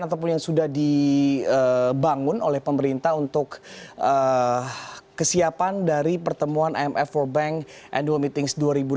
ataupun yang sudah dibangun oleh pemerintah untuk kesiapan dari pertemuan imf world bank annual meetings dua ribu dua puluh